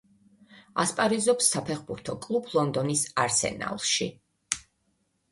ასპარეზობს საფეხბურთო კლუბ ლონდონის „არსენალში“.